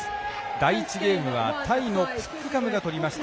第１ゲームはタイのプックカムが取りました。